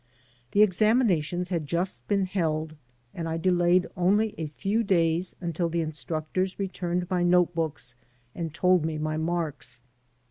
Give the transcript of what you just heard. The examinations had just been held, and I delayed only a few days until the instructors returned my note books and told me my marks.